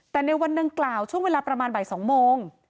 แต่ในวันดังกล่าวช่วงเวลาประมาณบ่าย๒โมง